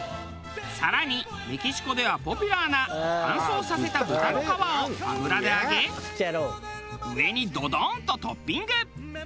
更にメキシコではポピュラーな乾燥させた豚の皮を油で揚げ上にドドーンとトッピング。